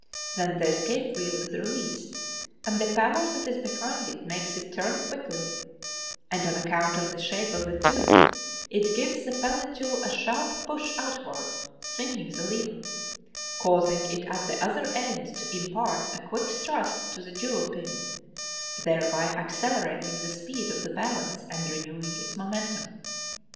Then the escape wheel is released and the power that is behind it makes it turn quickly, and on account of the shape of the tooth, it gives the pallet jewel a sharp push outward, swinging the lever, causing it at the other end to impart a quick thrust to the jewel pin, thereby accelerating the speed of the balance and renewing its momentum.